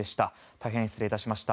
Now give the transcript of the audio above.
大変失礼しました。